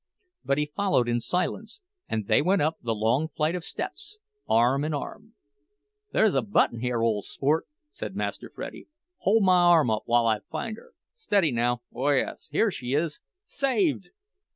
But he followed in silence, and they went up the long flight of steps, arm in arm. "There's a button here, ole sport," said Master Freddie. "Hole my arm while I find her! Steady, now—oh, yes, here she is! Saved!"